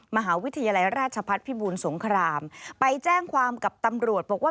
มหาวิทยาลัยราชพัฒน์พิบูรสงครามไปแจ้งความกับตำรวจบอกว่า